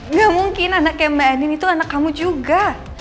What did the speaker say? nggak mungkin anaknya mbak anin itu anak kamu juga